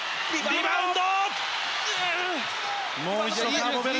リバウンド。